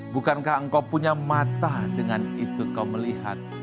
bukankah engkau punya mata dengan itu kau melihat